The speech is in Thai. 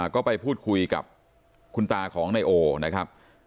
ก็ไปพูดคุยกับคุณตาของนายโอนะครับ